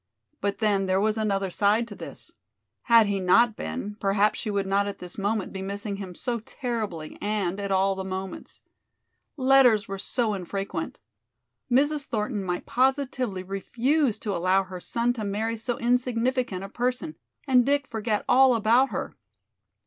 But then there was another side to this! Had he not been, perhaps she would not at this moment be missing him so terribly and at all the moments. Letters were so infrequent! Mrs. Thornton might positively refuse to allow her son to marry so insignificant a person, and Dick forget all about her!